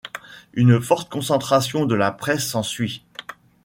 Une forte concentration de la presse s’ensuit.